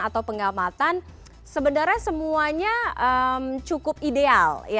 atau pengamatan sebenarnya semuanya cukup ideal